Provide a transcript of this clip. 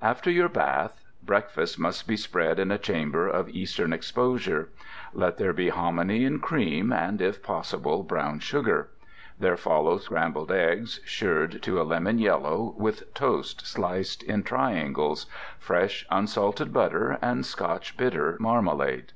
After your bath, breakfast must be spread in a chamber of eastern exposure; let there be hominy and cream, and if possible, brown sugar. There follow scrambled eggs, shirred to a lemon yellow, with toast sliced in triangles, fresh, unsalted butter, and Scotch bitter marmalade.